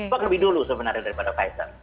pak lebih dulu sebenarnya daripada pfizer